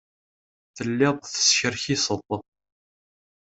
Telliḍ teskerkiseḍ.